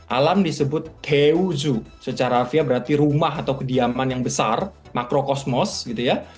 alam disebut keuzu secara afia berarti rumah atau kediaman yang besar makrokosmos gitu ya